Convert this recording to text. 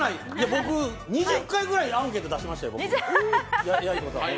僕、２０回ぐらいアンケート出しましたよ。